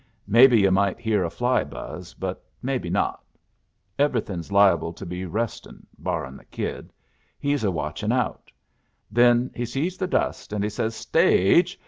Maybe yu' might hear a fly buzz, but maybe not. Everything's liable to be restin', barrin' the kid. He's a watchin' out. Then he sees the dust, and he says 'Stage!'